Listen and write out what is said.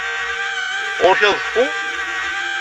Ɣur-k aḍeffu?